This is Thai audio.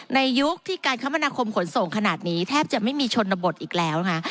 ยุคที่การคมนาคมขนส่งขนาดนี้แทบจะไม่มีชนบทอีกแล้วนะคะ